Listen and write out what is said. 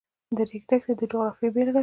د ریګ دښتې د جغرافیې بېلګه ده.